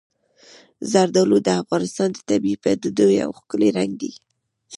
زردالو د افغانستان د طبیعي پدیدو یو ښکلی رنګ دی.